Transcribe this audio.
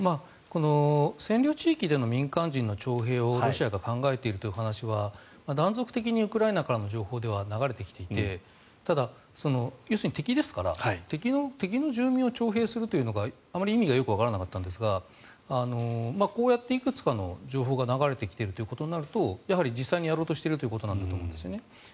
占領地域での民間人の徴兵をロシアが考えているという話は断続的にウクライナからの情報では流れてきていてただ、要するに敵ですから敵の住民を徴兵するというのがあまり意味がよくわからなかったんですがこうやっていくつかの情報が流れてきているとなるとやはり実際にやろうとしているということなんだと思うんです。